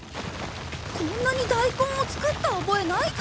こんなにだいこんを作った覚えないぞ！